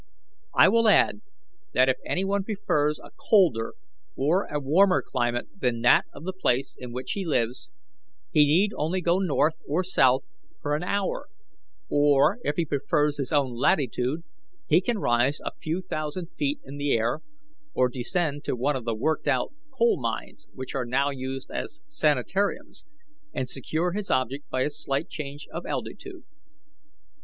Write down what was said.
I will add, that if any one prefers a colder or a warmer climate than that of the place in which he lives, he need only go north or south for an hour; or, if he prefers his own latitude, he can rise a few thousand feet in the air, or descend to one of the worked out coal mines which are now used as sanitariums, and secure his object by a slight change of altitude.